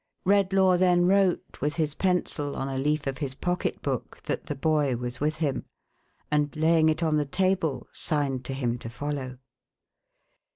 Redlaw then wrote with his pencil on a leaf of his pocket book, that the boy was with him ; and laying it on the table, signed to him to follow.